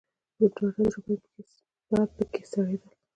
په ډاډه زړه به په کې څرېدل.